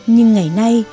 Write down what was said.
nhưng ngày nay